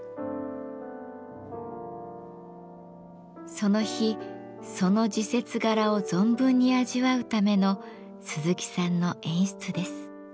その日その時節柄を存分に味わうための鈴木さんの演出です。